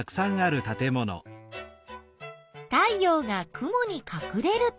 太陽が雲にかくれると？